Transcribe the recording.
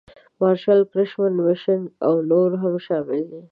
مارشال کرشمن مشینک او نور هم شامل دي.